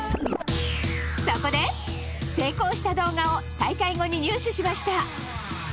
そこで成功した動画を大会後に入手しました。